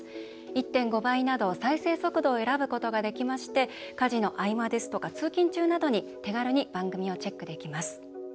１．５倍など再生速度を選ぶことができまして家事の合間ですとか通勤中などに手軽に番組をチェックできます。